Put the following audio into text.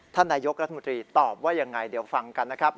ท่านนายกรัฐมนตรีตอบว่ายังไงเดี๋ยวฟังกันนะครับ